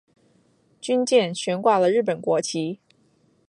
军舰悬挂了日本国旗。